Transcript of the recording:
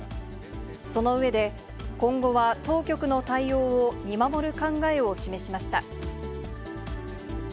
その上で、今後は当局の対応を見守る考えを示しました。